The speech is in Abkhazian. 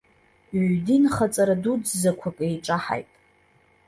Ҩ-динхаҵара дуӡӡақәак еиҿаҳаит.